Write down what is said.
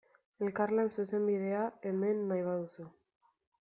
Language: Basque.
Elkarlan zuzenbidea, hemen, nahi baduzu.